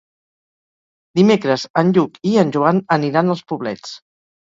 Dimecres en Lluc i en Joan aniran als Poblets.